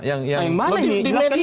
yang dimana ini